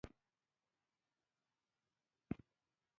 بادرنګ د کورنیو خوراکونو ښکلا ده.